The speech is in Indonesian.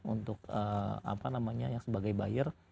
untuk apa namanya yang sebagai buyer